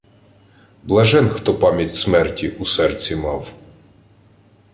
Блажен, хто пам’ять смерті у серцеві мав.